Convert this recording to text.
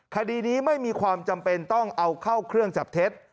คดีนี้ไม่มีความจำเป็นต้องเอาเข้าเครื่องจับเท็จ